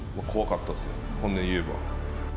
本音を言えば。